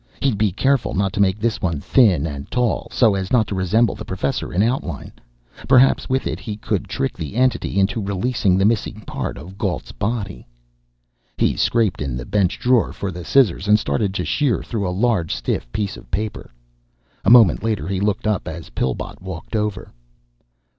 He'd be careful not to make this one thin and tall, so as not to resemble the Professor in outline. Perhaps with it, he could trick the Entity into releasing the missing part of Gault's body.... He scraped in the bench drawer for the scissors, and started to sheer through a large stiff piece of paper. A moment later he looked up as Pillbot walked over.